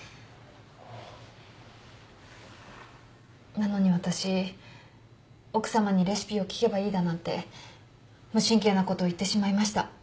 なのに私奥さまにレシピを聞けばいいだなんて無神経なことを言ってしまいました。